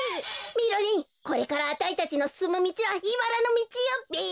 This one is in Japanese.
みろりんこれからあたいたちのすすむみちはいばらのみちよべ。